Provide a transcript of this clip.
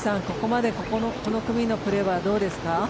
ここまでこの組のプレーはどうですか。